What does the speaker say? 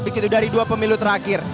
begitu dari dua pemilu terakhir